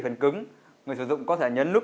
phần cứng người sử dụng có thể nhấn nút